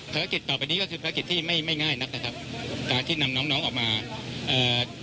ภารกิจต่อไปนี้ก็คือภารกิจที่ไม่ไม่ง่ายนักนะครับการที่นำน้องน้องออกมาเอ่อ